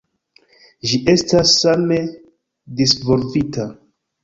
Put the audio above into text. Ĝi estas same disvolvita.